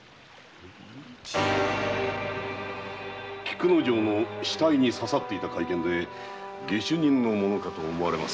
菊之丞の死体に刺さっていた懐剣で下手人のものかと思われます。